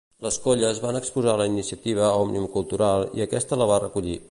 Les colles van exposar la iniciativa a Òmnium Cultural i aquesta la va recollir.